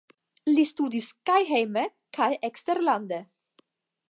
Li studis kaj hejme kaj eksterlande.